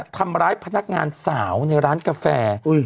ทำร้ายพนักงานสาวในร้านกาแฟ